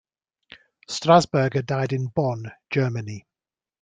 Strasburger died in Bonn, Germany.